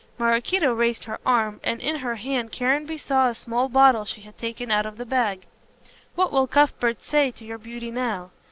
Maraquito raised her arm, and in her hand Caranby saw a small bottle she had taken out of the bag. "What will Cuthbert say to your beauty now?"